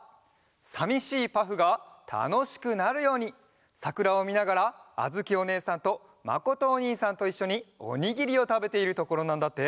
さみしいパフがたのしくなるようにさくらをみながらあづきおねえさんとまことおにいさんといっしょにおにぎりをたべているところなんだって。